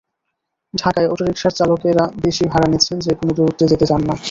ঢাকায় অটোরিকশার চালকেরা বেশি ভাড়া নিচ্ছেন, যেকোনো দূরত্বে যেতে চান না।